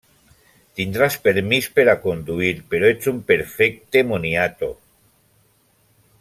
Tindràs permís per a conduir, però ets un perfecte moniato!